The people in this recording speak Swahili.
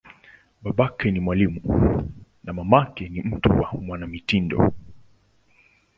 Babake ni mwalimu, na mamake ni mtu wa mwanamitindo.